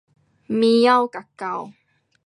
猫跟狗